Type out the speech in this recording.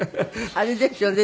あれですよね。